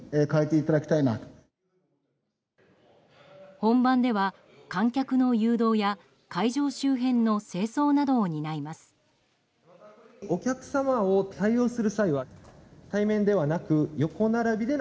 本番では観客の誘導や会場周辺などの清掃を担います。